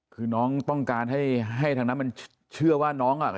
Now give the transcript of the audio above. คือน้องต้องการให้ให้ทางนั้นมันเชื่อว่าน้องอ่ะ